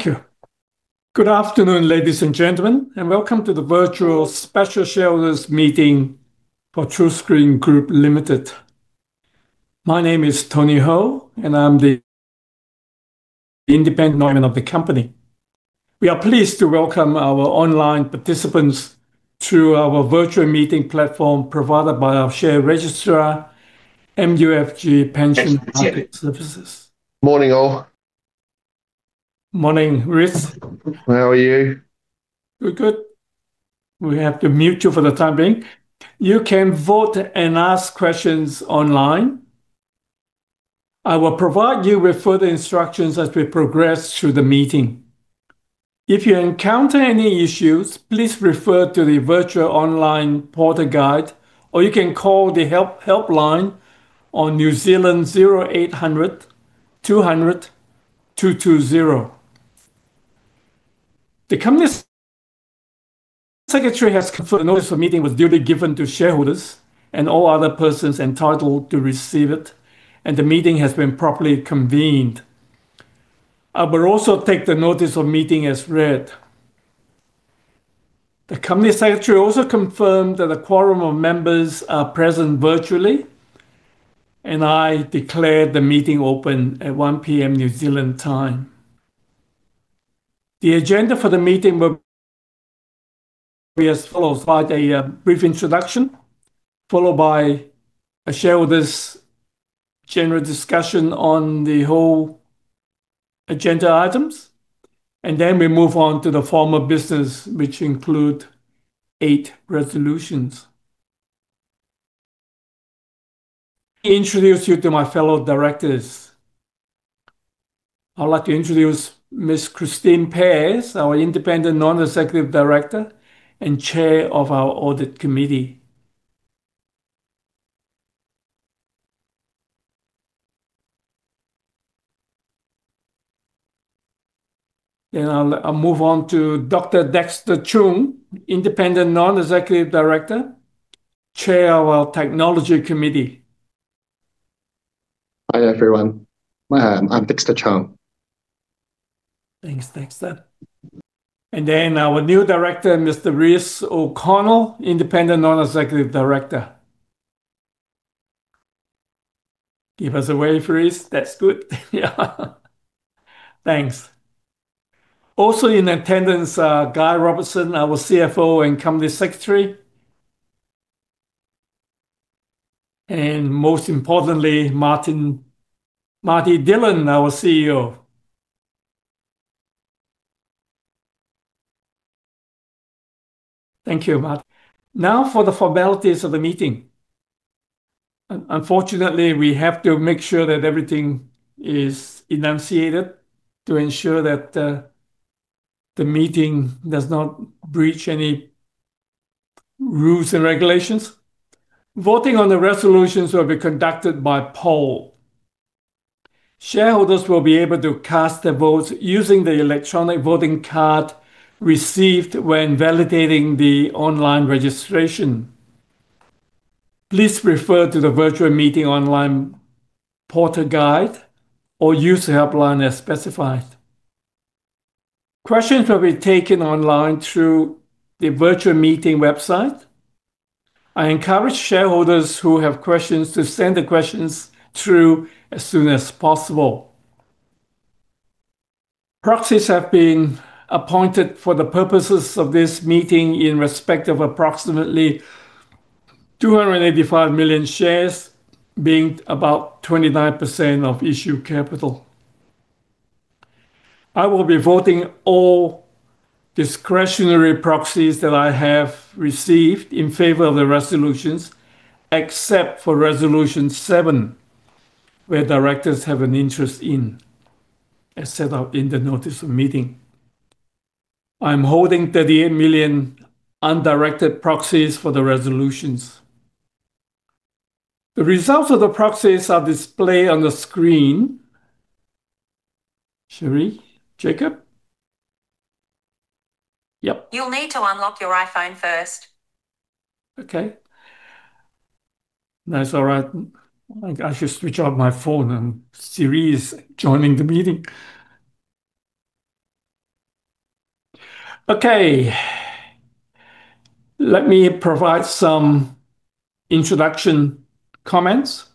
Thank you. Good afternoon, ladies and gentlemen, and welcome to the virtual Special Shareholders Meeting for TruScreen Group Limited. My name is Tony Ho, and I'm the [Non-Executive Chairman] of the company. We are pleased to welcome our online participants to our virtual meeting platform provided by our share registrar, MUFG Pension & Market Services. Morning, all. Morning, Reece. How are you? Good. We have to mute you for the time being. You can vote and ask questions online. I will provide you with further instructions as we progress through the meeting. If you encounter any issues, please refer to the virtual online portal guide, or you can call the helpline on New Zealand 0800 200 220. The company secretary has confirmed the notice for meeting was duly given to shareholders and all other persons entitled to receive it, and the meeting has been properly convened. I will also take the Notice of Meeting as read. The company secretary also confirmed that a quorum of members are present virtually, and I declare the meeting open at 1:00 P.M. New Zealand time. The agenda for the meeting will be as follows. I provide a brief introduction, followed by a share with this general discussion on the whole agenda items. We move on to the formal business, which include eight resolutions. Introduce you to my fellow directors. I would like to introduce Ms. Christine Pears, our Independent Non-Executive Director and Chair of our Audit Committee. I'll move on to Dr. Dexter Cheung, Independent Non-Executive Director, Chair of our Technology Committee. Hi, everyone. I'm Dexter Cheung. Thanks, Dexter. Our new director, Mr. Reece O'Connell, Independent Non-Executive Director. Give us a wave, Reece. That's good. Yeah. Thanks. Also in attendance, Guy Robertson, our CFO and Company Secretary. Most importantly, Marty Dillon, our CEO. Thank you, Marty. Now for the formalities of the meeting. Unfortunately, we have to make sure that everything is enunciated to ensure that the meeting does not breach any rules and regulations. Voting on the resolutions will be conducted by poll. Shareholders will be able to cast their votes using the electronic voting card received when validating the online registration. Please refer to the virtual meeting online portal guide or use the helpline as specified. Questions will be taken online through the virtual meeting website. I encourage shareholders who have questions to send the questions through as soon as possible. Proxies have been appointed for the purposes of this meeting in respect of approximately 285 million shares, being about 29% of issued capital. I will be voting all discretionary proxies that I have received in favor of the resolutions, except for Resolution 7, where directors have an interest in, as set out in the Notice of Meeting. I'm holding 38 million undirected proxies for the resolutions. The results of the proxies are displayed on the screen. [Sherry], [Jacob]? Yep. Okay. No, it's all right. I should switch off my phone. Siri is joining the meeting. Okay. Let me provide some introduction comments.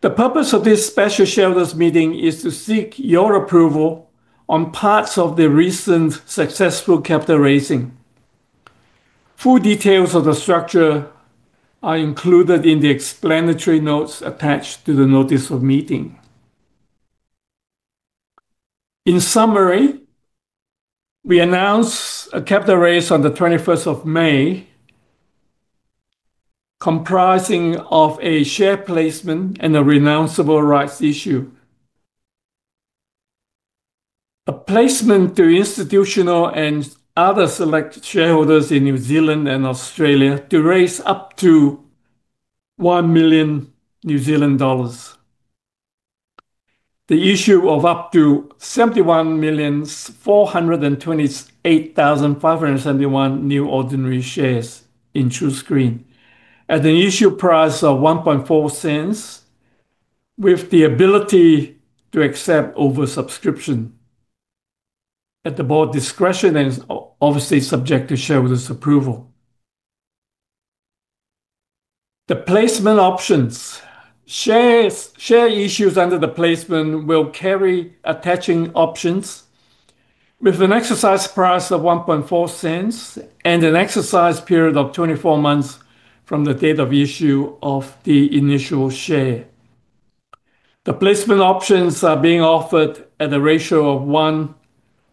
The purpose of this Special Shareholders Meeting is to seek your approval on parts of the recent successful capital raising. Full details of the structure are included in the explanatory notes attached to the Notice of Meeting. In summary, we announced a capital raise on the 21st of May, comprising of a share placement and a renouncable rights issue. A placement to institutional and other select shareholders in New Zealand and Australia to raise up to 1 million New Zealand dollars. The issue of up to 71,428,571 new ordinary shares in TruScreen at the issue price of 0.014 with the ability to accept oversubscription at the board discretion, and obviously subject to shareholders' approval. The placement options. Shares issued under the placement will carry attaching options with an exercise price of 0.014 and an exercise period of 24 months from the date of issue of the initial share. The placement options are being offered at a ratio of one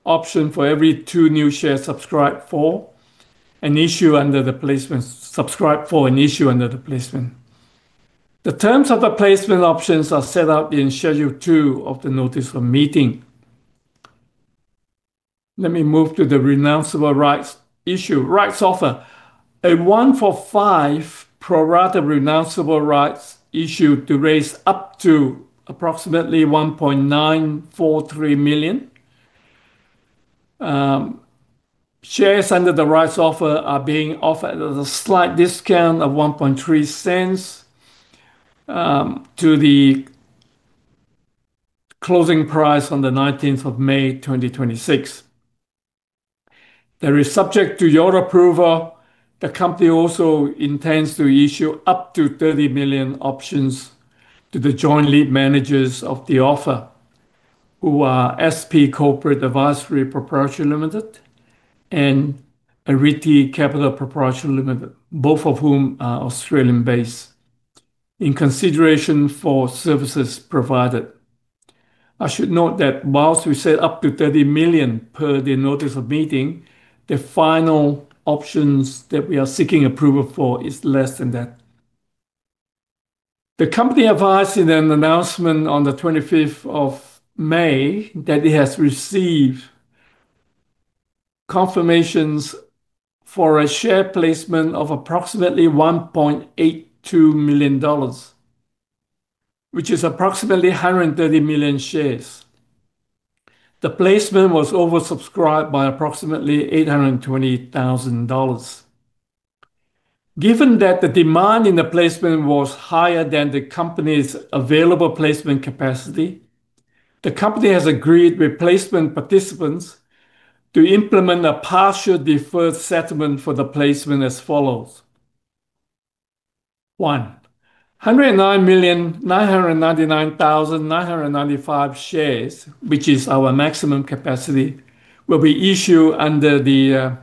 option for every two new shares subscribed for and issue under the placement. The terms of the placement options are set out in Schedule 2 of the Notice of Meeting. Let me move to the renounceable rights offer. A one-for-five pro-rata renounceable rights issue to raise up to approximately 1.943 million. Shares under the rights offer are being offered at a slight discount of 0.013 to the closing price on the 19th of May 2026. That is subject to your approval. The company also intends to issue up to 30 million options to the joint lead managers of the offer, who are SP Corporate Advisory Proprietary Limited and Arete Capital Proprietary Limited, both of whom are Australian-based, in consideration for services provided. I should note that whilst we said up to 30 million per the Notice of Meeting, the final options that we are seeking approval for is less than that. The company advised in an announcement on the 25th of May that it has received confirmations for a share placement of approximately 1.82 million dollars, which is approximately 130 million shares. The placement was oversubscribed by approximately 820,000 dollars. Given that the demand in the placement was higher than the company's available placement capacity, the company has agreed with placement participants to implement a partial deferred settlement for the placement as follows. One, 109,999,995 shares, which is our maximum capacity, will be issued under the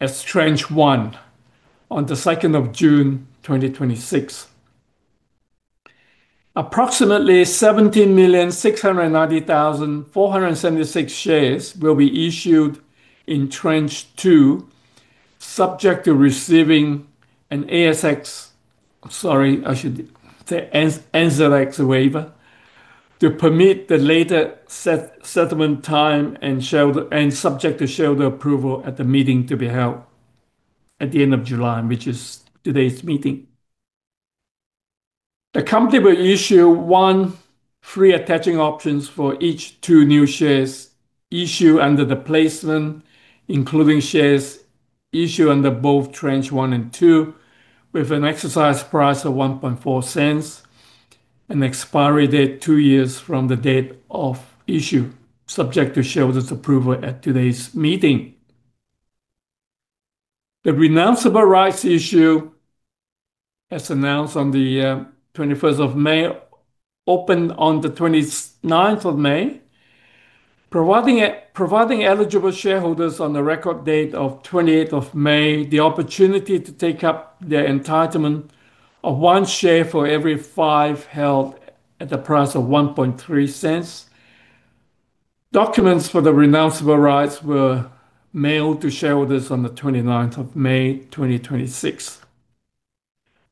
tranche 1 on the 2nd of June 2026. Approximately 17,690,476 shares will be issued in tranche 2, subject to receiving an ASX, sorry, I should say NZX waiver to permit the later settlement time and subject to shareholder approval at the meeting to be held at the end of July, which is today's meeting. The company will issue one free attaching options for each two new shares issued under the placement, including shares issued under both tranche 1 and 2, with an exercise price of 0.014 and an expiry date two years from the date of issue, subject to shareholders' approval at today's meeting. The renounceable rights issue, as announced on the 21st of May, opened on the 29th of May, providing eligible shareholders on the record date of 28th of May the opportunity to take up their entitlement of one share for every five held at the price of 0.0130. Documents for the renounceable rights were mailed to shareholders on the 29th of May 2026.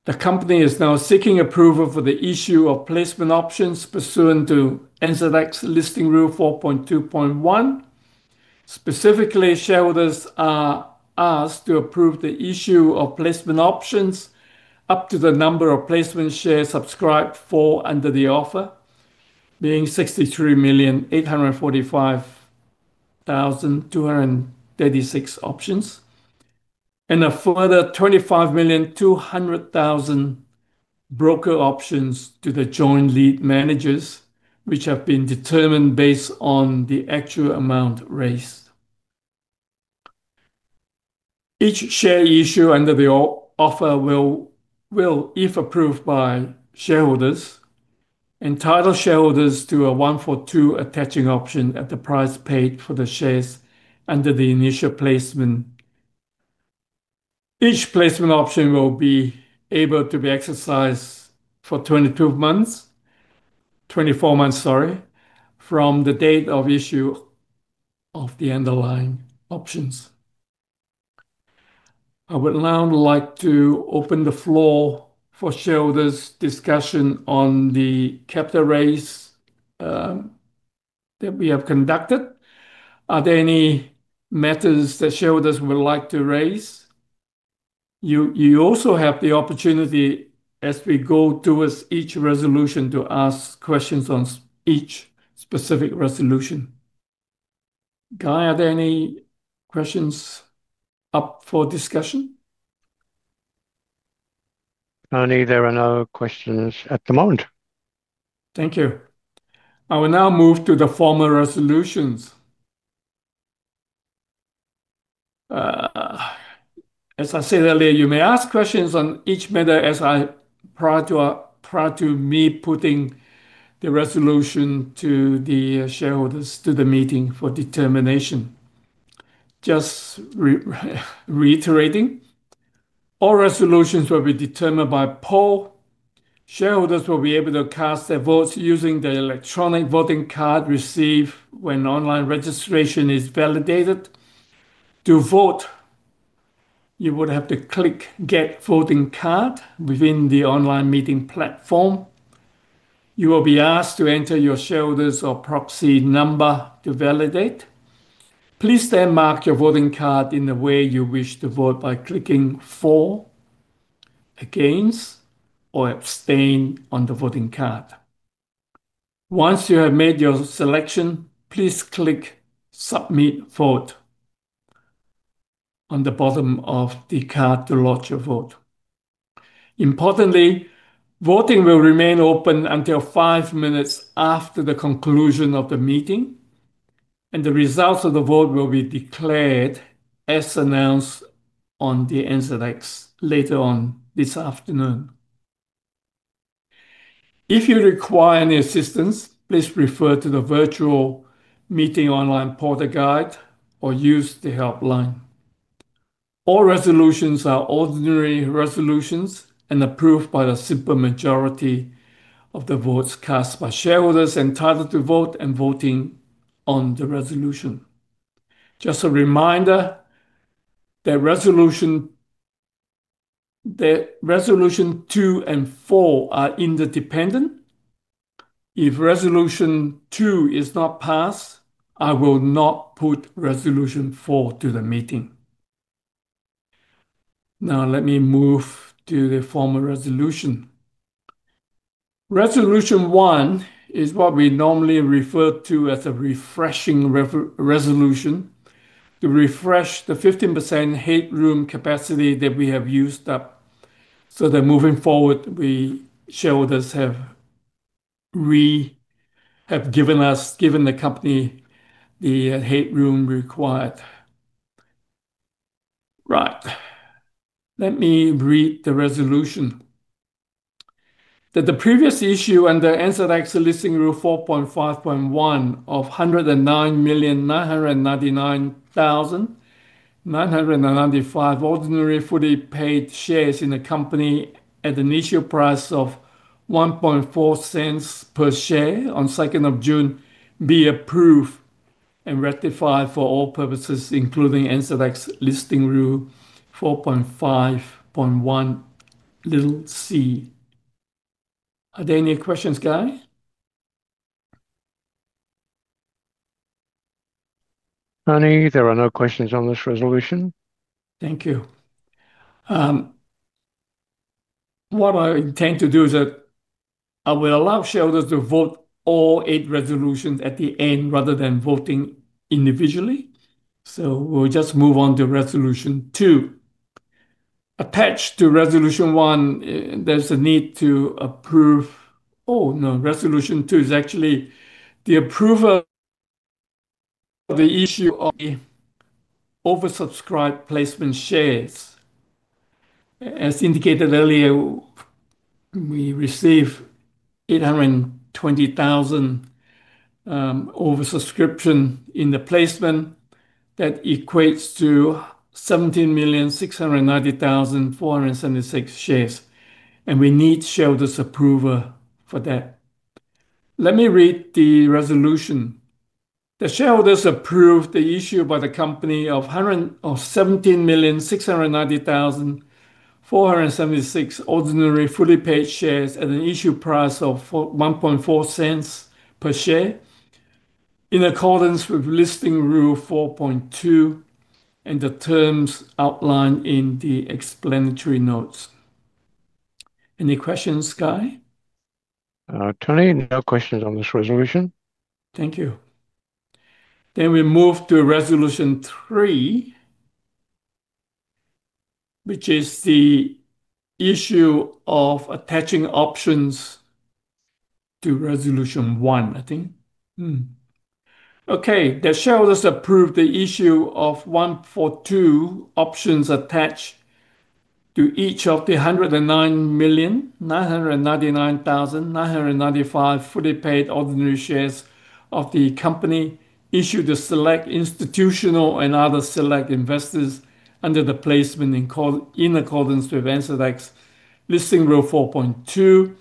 The company is now seeking approval for the issue of placement options pursuant to NZX Listing Rule 4.2.1. Specifically, shareholders are asked to approve the issue of placement options up to the number of placement shares subscribed for under the offer, being 63,845,236 options, and a further 25,200,000 broker options to the joint lead managers, which have been determined based on the actual amount raised. Each share issued under the offer will, if approved by shareholders, entitle shareholders to a one-for-two attaching option at the price paid for the shares under the initial placement. Each placement option will be able to be exercised for 24 months from the date of issue of the underlying options. I would now like to open the floor for shareholders' discussion on the capital raise that we have conducted. Are there any matters that shareholders would like to raise? You also have the opportunity as we go towards each resolution to ask questions on each specific resolution Guy, are there any questions up for discussion? Tony, there are no questions at the moment. Thank you. I will now move to the formal resolutions. As I said earlier, you may ask questions on each matter prior to me putting the resolution to the shareholders, to the meeting for determination. Just reiterating, all resolutions will be determined by poll. Shareholders will be able to cast their votes using the electronic voting card received when online registration is validated. To vote, you would have to click Get Voting Card within the online meeting platform. You will be asked to enter your shareholders or proxy number to validate. Please then mark your voting card in the way you wish to vote by clicking For, Against, or Abstain on the voting card. Once you have made your selection, please click Submit Vote on the bottom of the card to lodge your vote. Importantly, voting will remain open until five minutes after the conclusion of the meeting, and the results of the vote will be declared as announced on the NZX later on this afternoon. If you require any assistance, please refer to the virtual meeting online portal guide or use the helpline. All resolutions are ordinary resolutions and approved by the simple majority of the votes cast by shareholders entitled to vote and voting on the resolution. Just a reminder that Resolution 2 and 4 are interdependent. If Resolution 2 is not passed, I will not put Resolution 4 to the meeting. Now, let me move to the formal resolution. Resolution 1 is what we normally refer to as a refreshing resolution to refresh the 15% headroom capacity that we have used up, so that moving forward, we shareholders have given the company the headroom required. Right. Let me read the Resolution. That the previous issue under NZX Listing Rule 4.5.1 of 109,999,995 ordinary fully paid shares in the company at an issue price of 0.014 per share on 2nd of June be approved and rectified for all purposes, including NZX Listing Rule 4.5.1(c). Are there any questions, Guy? Tony, there are no questions on this Resolution. Thank you. What I intend to do is that I will allow shareholders to vote all eight resolutions at the end rather than voting individually. We'll just move on to Resolution 2. Attached to Resolution 1, there's a need to approve Oh, no. Resolution 2 is actually the approval of the issue of oversubscribed placement shares. As indicated earlier, we received 820,000 oversubscription in the placement. That equates to 17,690,476 shares, and we need shareholders' approval for that. Let me read the Resolution. The shareholders approve the issue by the company of 17,690,476 ordinary fully paid shares at an issue price of 0.014 per share in accordance with NZX Listing Rule 4.2 and the terms outlined in the explanatory notes. Any questions, Guy? Tony, no questions on this Resolution. Thank you. We move to Resolution 3, which is the issue of attaching options to Resolution 1, I think. Okay. The shareholders approve the issue of one for two options attached to each of the 109,999,995 fully paid ordinary shares of the company, issue to select institutional and other select investors under the placement in accordance with NZX Listing Rule 4.2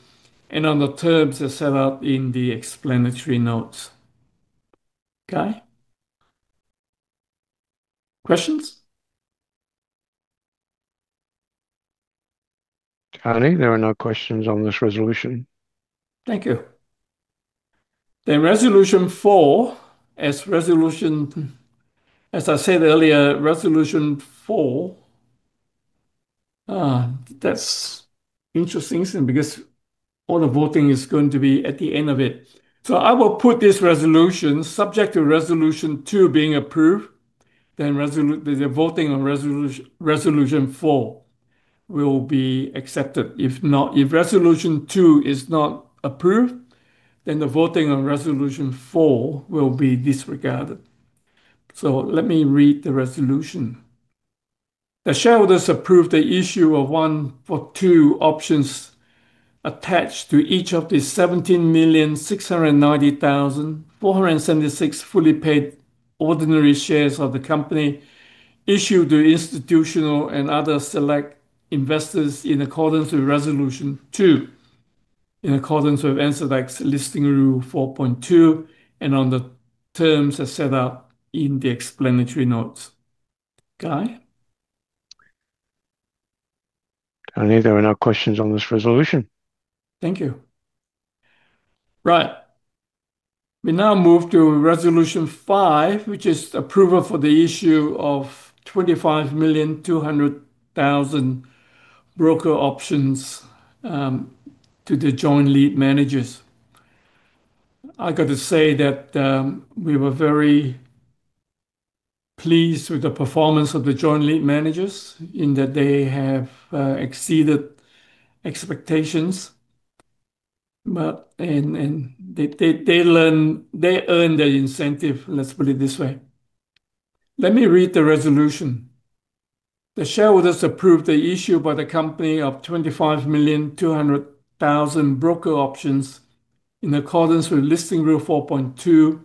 and on the terms as set out in the explanatory notes. Guy? Questions? Tony, there are no questions on this Resolution. Thank you. Resolution 4. As I said earlier, Resolution 4, that's interesting, because all the voting is going to be at the end of it. I will put this resolution subject to Resolution 2 being approved, then the voting on Resolution 4 will be accepted. If Resolution 2 is not approved, then the voting on Resolution 4 will be disregarded. Let me read the Resolution. The shareholders approve the issue of one for two options attached to each of the 17,690,476 fully paid ordinary shares of the company issued to institutional and other select investors in accordance with Resolution 2, in accordance with NZX Listing Rule 4.2, and on the terms as set out in the explanatory notes. Guy? Tony, there are no questions on this Resolution. Thank you. Right. We now move to Resolution 5, which is approval for the issue of 25,200,000 broker options to the joint lead managers. I've got to say that we were very pleased with the performance of the joint lead managers in that they have exceeded expectations. They earned their incentive, let's put it this way. Let me read the Resolution. The shareholders approve the issue by the company of 25,200,000 broker options in accordance with NZX Listing Rule 4.2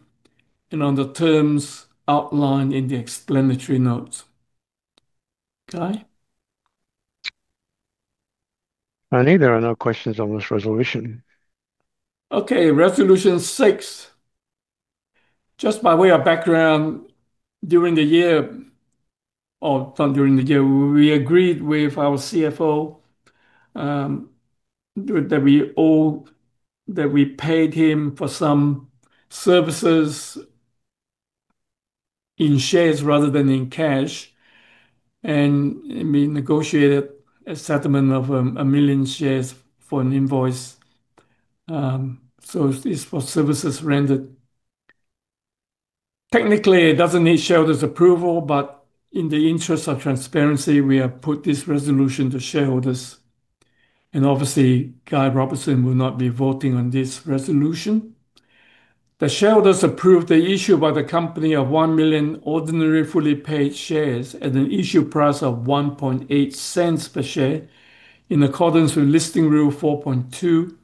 and on the terms outlined in the explanatory notes. Guy? Tony, there are no questions on this Resolution. Okay. Resolution 6. Just by way of background, during the year we agreed with our CFO that we paid him for some services in shares rather than in cash, and we negotiated a settlement of a million shares for an invoice. It's for services rendered. Technically, it doesn't need shareholders' approval, but in the interest of transparency, we have put this Resolution to shareholders. Obviously, Guy Robertson will not be voting on this Resolution. The shareholders approve the issue by the company of 1 million ordinary fully paid shares at an issue price of 0.018 per share in accordance with Listing Rule 4.2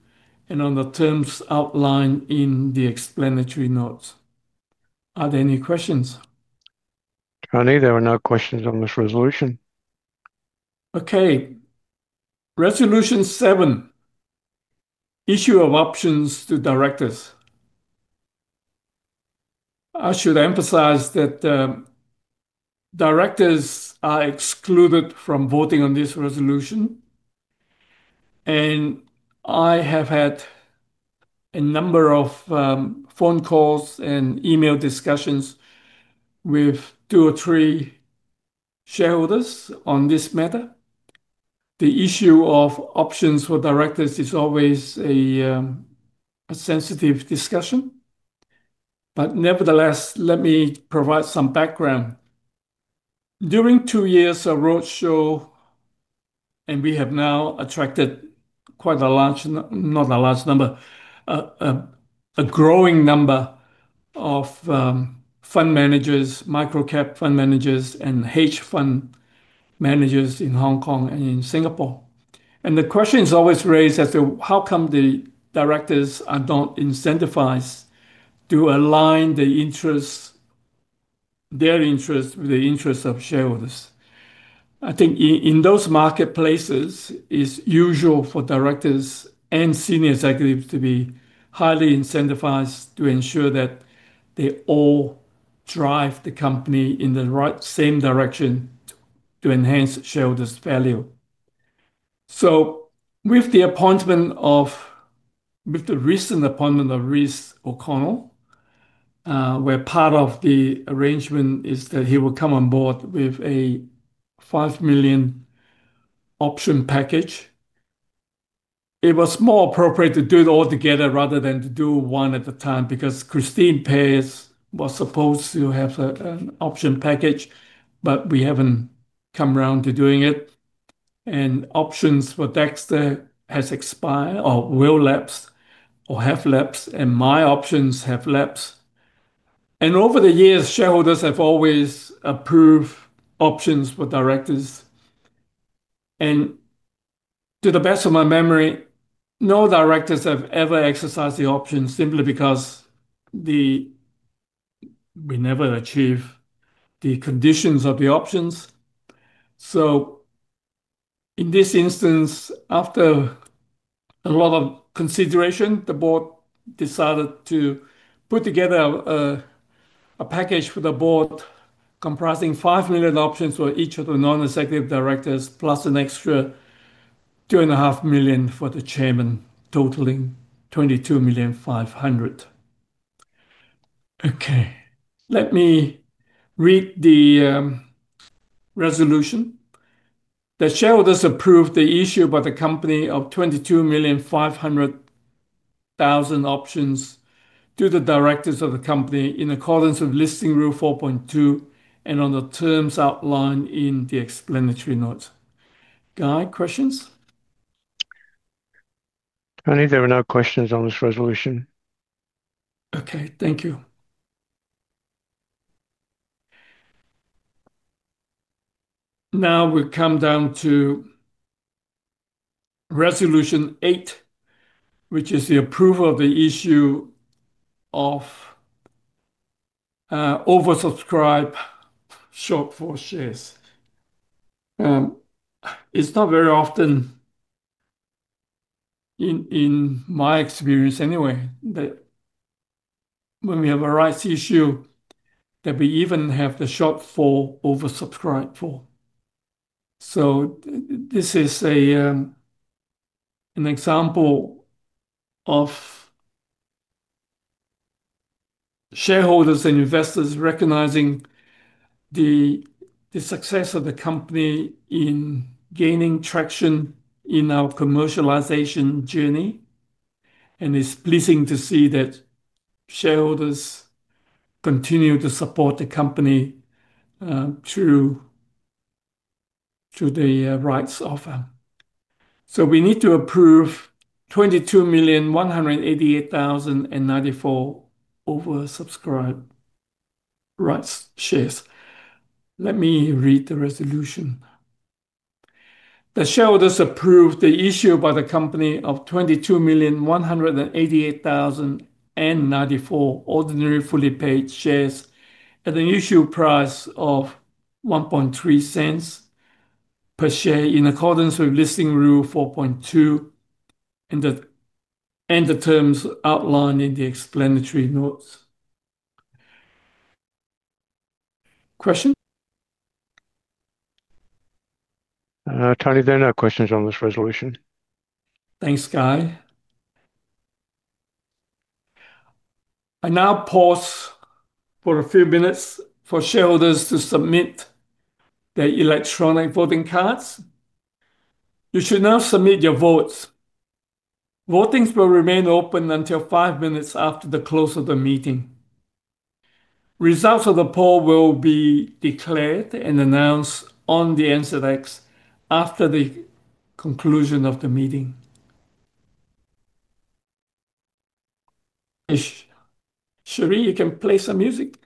and on the terms outlined in the explanatory notes. Are there any questions? Tony, there are no questions on this Resolution. Okay. Resolution 7, issue of options to directors. I should emphasize that directors are excluded from voting on this Resolution, and I have had a number of phone calls and email discussions with two or three shareholders on this matter. The issue of options for directors is always a sensitive discussion. Nevertheless, let me provide some background. During two years of roadshow, we have now attracted quite a large, not a large number, a growing number of fund managers, micro-cap fund managers, and hedge fund managers in Hong Kong and in Singapore. The question is always raised as to how come the directors are not incentivized to align their interests with the interests of shareholders? I think in those marketplaces, it is usual for directors and senior executives to be highly incentivized to ensure that they all drive the company in the same direction to enhance shareholders' value. With the recent appointment of Reece O'Connell, where part of the arrangement is that he will come on board with a 5 million option package, it was more appropriate to do it all together rather than to do one at a time because Christine Pears was supposed to have an option package, but we haven't come around to doing it. Options for Dexter have expired or will lapse or have lapsed, and my options have lapsed. Over the years, shareholders have always approved options for directors. To the best of my memory, no directors have ever exercised the option simply because we never achieve the conditions of the options. In this instance, after a lot of consideration, the Board decided to put together a package for the Board comprising 5 million options for each of the non-executive directors, plus an extra 2.5 million for the chairman, totaling 22.5 million. Okay. Let me read the Resolution. The shareholders approve the issue by the company of 22.5 million options to the directors of the company in accordance with Listing Rule 4.2 and on the terms outlined in the explanatory notes. Guy, questions? Tony, there are no questions on this Resolution. Okay, thank you. We come down to Resolution 8, which is the approval of the issue of oversubscribed shortfall shares. It is not very often, in my experience anyway, that when we have a rights issue, that we even have the shortfall oversubscribed for. This is an example of shareholders and investors recognizing the success of the company in gaining traction in our commercialization journey, and it is pleasing to see that shareholders continue to support the company through the rights offer. We need to approve 22,188,094 oversubscribed rights shares. Let me read the Resolution. The shareholders approve the issue by the company of 22,188,094 ordinary fully paid shares at an issue price of 0.013 per share in accordance with Listing Rule 4.2 and the terms outlined in the explanatory notes. Question? Tony, there are no questions on this Resolution. Thanks, Guy. I now pause for a few minutes for shareholders to submit their electronic voting cards. You should now submit your votes. Voting will remain open until five minutes after the close of the meeting. Results of the poll will be declared and announced on the NZX after the conclusion of the meeting. [Sherry], you can play some music.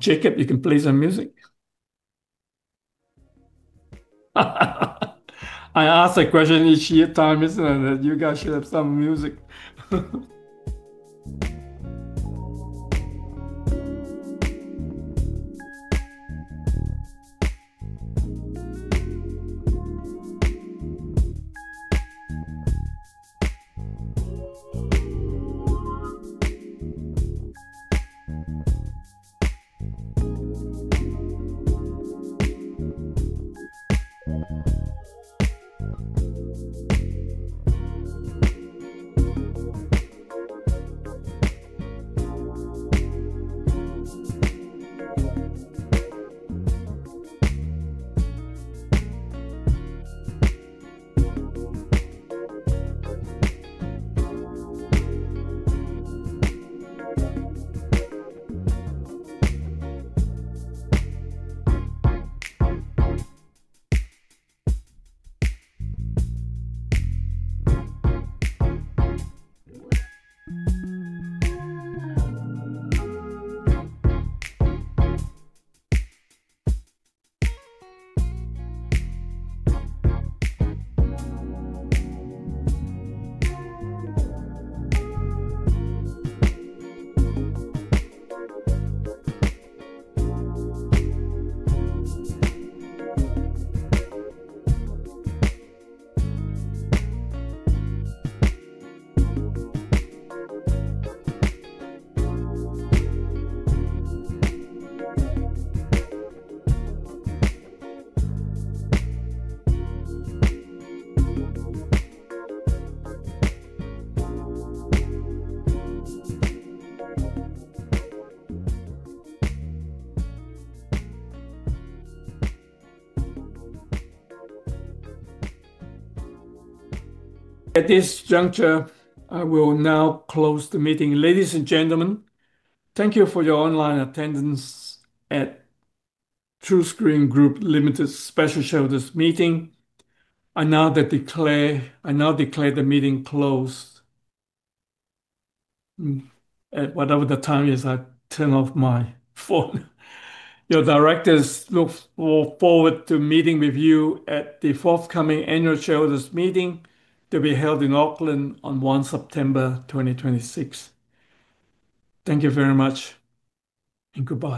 [Jacob], you can play some music. I ask that question each time, isn't it? You guys should have some music. At this juncture, I will now close the meeting. Ladies and gentlemen, thank you for your online attendance at TruScreen Group Limited Special Shareholders Meeting. I now declare the meeting closed. At whatever the time is, I turn off my phone. Your directors look forward to meeting with you at the forthcoming annual shareholders meeting to be held in Auckland on 1 September 2026. Thank you very much, goodbye.